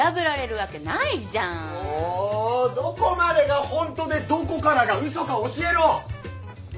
もうどこまでがホントでどこからが嘘か教えろ！